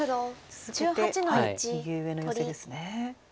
続けて右上のヨセですね。